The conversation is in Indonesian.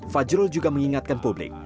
fajrul juga mengingatkan publik